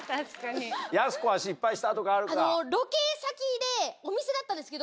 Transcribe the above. やす子は失敗したとかあるか？